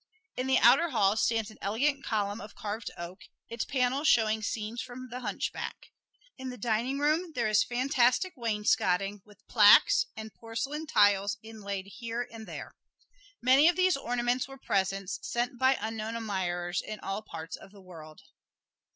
In the outer hall stands an elegant column of carved oak, its panels showing scenes from "The Hunchback." In the dining room there is fantastic wainscoting with plaques and porcelain tiles inlaid here and there. Many of these ornaments were presents, sent by unknown admirers in all parts of the world.